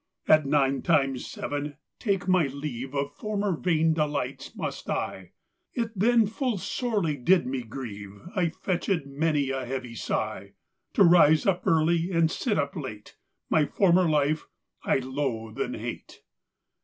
At nine times seven take my leave Of former vain delights must I; It then full sorely did me grieveâ I fetchèd many a heavy sigh; To rise up early, and sit up late, My former life, I loathe and hate.